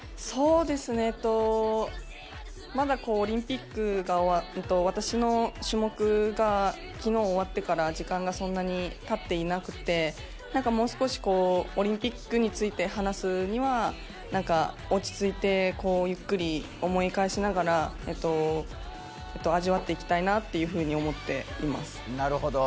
まだオリンピックが、私の種目が昨日終わってから時間がそんなにたっていなくてもう少しオリンピックについて話すには、落ち着いてゆっくり思い返しながら味わっていきたいなと思っています。